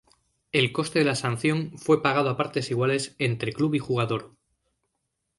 El coste de la sanción fue pagado a partes iguales entre club y jugador.